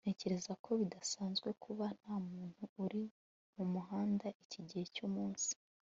ntekereza ko bidasanzwe kuba ntamuntu uri mumuhanda iki gihe cyumunsi